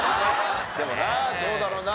でもなどうだろうな？